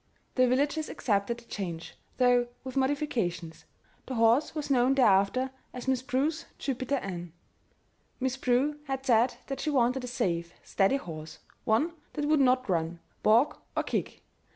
The villagers accepted the change though with modifications; the horse was known thereafter as "Miss Prue's Jupiter Ann." Miss Prue had said that she wanted a safe, steady horse; one that would not run, balk, or kick.